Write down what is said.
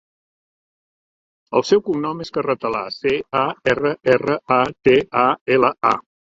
El seu cognom és Carratala: ce, a, erra, erra, a, te, a, ela, a.